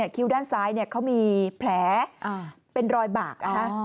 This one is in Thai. คิ้วด้านซ้ายเขามีแผลเป็นรอยบาก